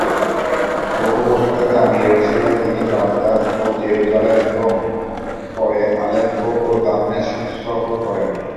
বহু বছর ধরে আমিরের সেবায় তিনি বাগদাদ ও জেরুজালেম এবং পরে আলেপ্পো ও দামেস্ক সফর করেন।